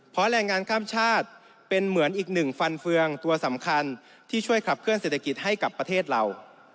เพราะแรงงานข้ามชาติเป็นเหมือนอีกหนึ่งฟันเฟืองตัวสำคัญที่ช่วยขับเคลื่อเศรษฐกิจให้กับประเทศเรา